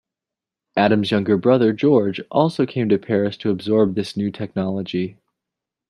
Adam's younger brother, George, also came to Paris to absorb this new technology.